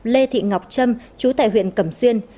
lê thị ngọc trâm chú tại huyện cẩm xuyên